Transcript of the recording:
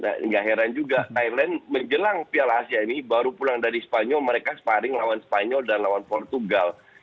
tidak heran juga thailand menjelang piala asia ini baru pulang dari spanyol mereka sparring lawan spanyol dan lawan portugal